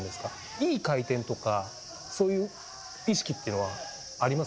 いい回転とか、そういう意識っていうのはあります？